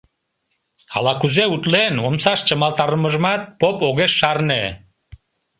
Ала-кузе утлен, омсаш чымалтарымыжымат поп огеш шарне.